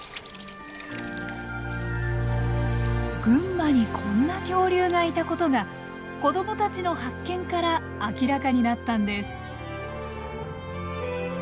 群馬にこんな恐竜がいたことが子供たちの発見から明らかになったんです。